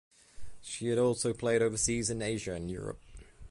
She had also played overseas in Asia and Europe.